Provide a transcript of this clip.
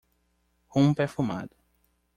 Rum perfumado!